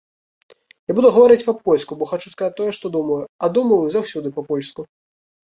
Я буду гаварыць па-польску, бо хачу сказаць тое, што думаю, а думаю заўсёды па-польску.